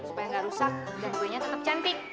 supaya nggak rusak dan kuenya tetap cantik